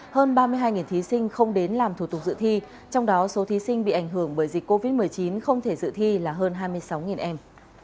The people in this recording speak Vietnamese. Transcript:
hơn ba mươi hai thí sinh không đến làm thủ tục dự thi trong đó số thí sinh bị ảnh hưởng bởi dịch covid một mươi chín không thể dự thi là hơn hai mươi sáu em